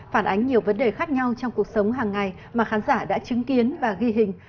phản ánh nhiều vấn đề khác nhau trong cuộc sống hàng ngày mà khán giả đã chứng kiến và ghi hình